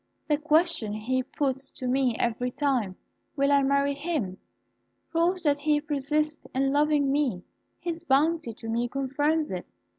"The question he puts to me every time, 'Will I marry him?' proves that he persists in loving me: his bounty to me confirms it.